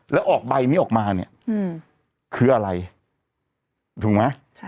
แล้วออกใบนี้ออกมาเนี่ยคืออะไรถูกไหม